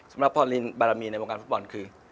สำหรับพอลินบารมีในวงการฟุตบอลคือ